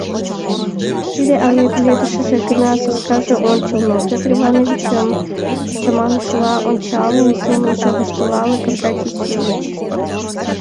«Тиде але пеледышыже гына, саскаже — ончылно», — Петр Ивановичым чаманышыла ончалын, семынже воштылале Кондратий Силыч.